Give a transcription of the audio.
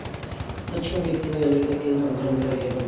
Una chica muy activa y alegre que es la mejor amiga de Heroine.